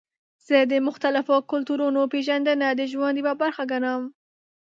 زه د مختلفو کلتورونو پیژندنه د ژوند یوه برخه ګڼم.